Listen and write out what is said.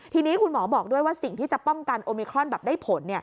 ทีนี้คุณหมอบอกด้วยว่าสิ่งที่จะป้องกันโอมิครอนแบบได้ผล